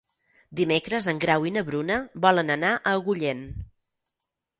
Dimecres en Grau i na Bruna volen anar a Agullent.